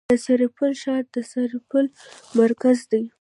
د سرپل ښار د سرپل مرکز دی